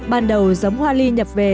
ban đầu giống hoa ly nhập về